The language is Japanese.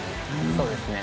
そうですね